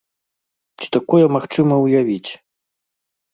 Ці такое магчыма ўявіць?